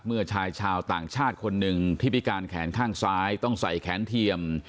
ชายชาวต่างชาติคนหนึ่งที่พิการแขนข้างซ้ายต้องใส่แขนเทียม